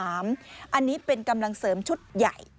อันนี้เป็นกำลังเสริมชุดใหญ่